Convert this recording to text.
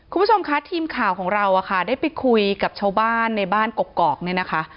คุณผู้ชมคะทีมข่าวของเราได้ไปคุยกับชาวบ้านในบ้านกกอกเนี่ยนะคะ